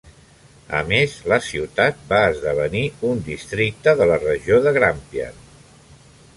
A més, la ciutat va esdevenir un districte de la regió de Grampian.